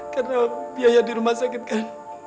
karena biaya di rumah sakit kan